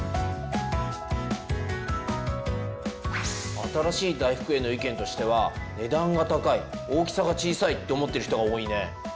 新しい大福への意見としては「値段が高い」「大きさが小さい」って思っている人が多いね。